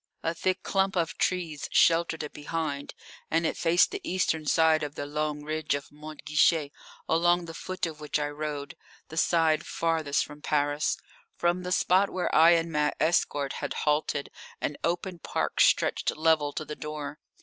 A thick clump of trees sheltered it behind, and it faced the eastern side of the long ridge of Mont Guichet, along the foot of which I rode the side farthest from Paris. From the spot where I and my escort had halted an open park stretched level to the door.